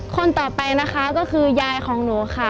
คนต่อไปนะคะก็คือยายของหนูค่ะ